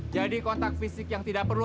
jadi kontak fisik yang tidak perlu